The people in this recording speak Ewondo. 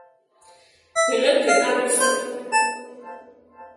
Ngǝ lǝ kǝ nalǝ a osu,